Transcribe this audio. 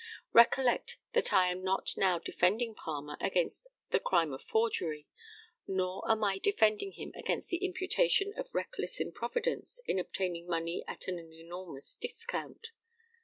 Recollect that I am not now defending Palmer against the crime of forgery, nor am I defending him against the imputation of reckless improvidence in obtaining money at an enormous discount.